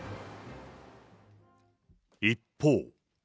一方。